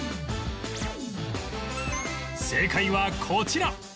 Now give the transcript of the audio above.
正解はこちら